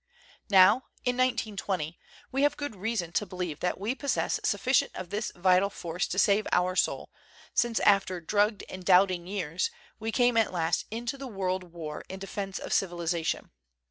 Now, in 1920, we have good reason to believe that we possess sufficient of this vital force to save our soul, since after "drugged and doubting years " we came at last into the world war in defense of civilization.